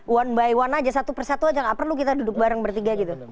one by one aja satu persatu aja nggak perlu kita duduk bareng bertiga gitu